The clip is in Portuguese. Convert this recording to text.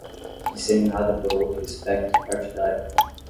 Disseminada por outro espectro partidário